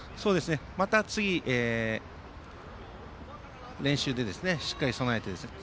また次、練習でしっかり備えて。